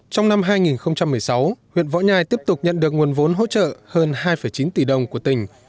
trong năm hai nghìn một mươi sáu huyện võ nhai tiếp tục nhận được nguồn vốn hỗ trợ hơn hai chín tỷ đồng của tỉnh